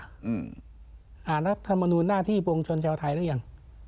อ่าอ่านรัฐธรรมนุนหน้าที่ปวงชนเฉียวไทยหรือยัง